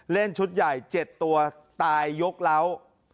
เล่นชุดใหญ่๗ตัวตายยกเล้า